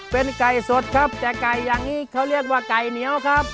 เป็นไก่สดครับแต่ไก่อย่างนี้เขาเรียกว่าไก่เหนียวครับ